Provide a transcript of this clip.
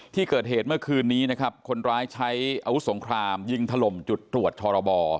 ที่เกิดเหตุเมื่อคืนนี้นะครับคนร้ายใช้อาวุธสงครามยิงถล่มจุดตรวจทรบ